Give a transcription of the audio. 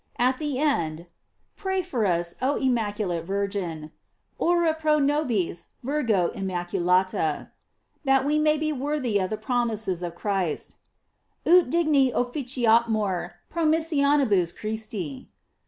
At the end: V. Pray for us, oh immaculate Virgin: Ora pro nobis, Virgo immaculata; R. That we may be worthy of the promises of Christ: Ut digniofficiamur promissionibus Christi.